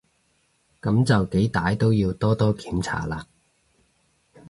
噉就幾歹都要多多檢查啦